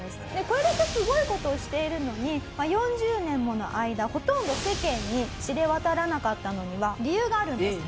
これだけすごい事をしているのに４０年もの間ほとんど世間に知れ渡らなかったのには理由があるんです。